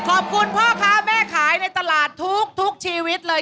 ขอบคุณพ่อค้าแม่ขายในตลาดทุกชีวิตเลย